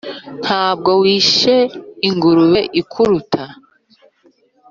Nta bwo wishe ingurube ikuruta?